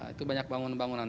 itu banyak bangunan bangunan